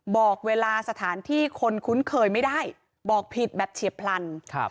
บอกเวลาสถานที่คนคุ้นเคยไม่ได้บอกผิดแบบเฉียบพลัน